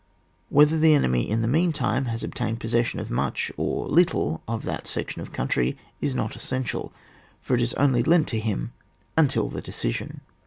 Whether the enemy in the meantime has obtained possession of much or little of that section of coimtry is not essential, for it is only lent to him imtil the decision.